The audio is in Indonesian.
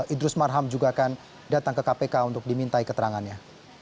idrus marham juga akan datang ke kpk untuk dimintai keterangannya